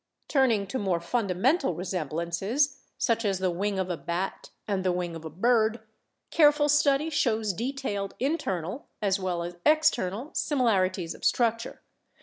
Turning to more fundamental resemblances, such as the wing of a bat and the wing of a bird, careful study shows detailed internal as well as external similar ities of structure.